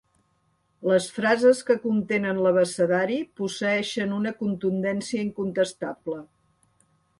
Les frases que contenen l'abecedari posseeixen una contundència incontestable.